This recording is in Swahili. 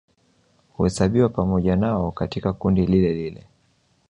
Huhesabiwa pamoja nao katika kundi lilelile